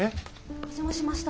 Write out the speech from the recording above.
お邪魔しました。